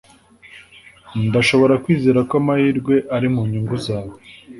Ndashobora kwizeza ko amahirwe ari mu nyungu zawe